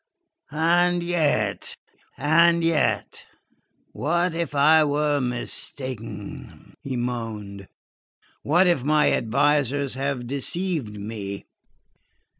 And yet and yet what if I were mistaken?" he moaned. "What if my advisors have deceived me?